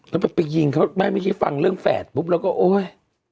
แล้วแบบไปยิงเขาไม่เมื่อกี้ฟังเรื่องแฝดปุ๊บแล้วก็โอ๊ย